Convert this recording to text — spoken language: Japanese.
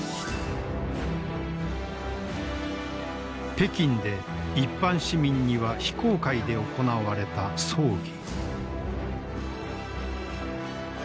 北京で一般市民には非公開で行われた葬儀。